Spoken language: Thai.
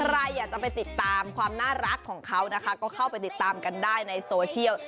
ใครอยากจะไปติดตามความน่ารักของเขานะคะก็เข้าไปติดตามกันได้ในโซเชียล